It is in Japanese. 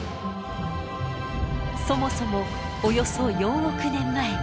そもそもおよそ４億年前。